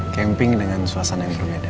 camping dengan suasana yang berbeda